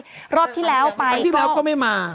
ครั้งที่แล้วก็ไม่มา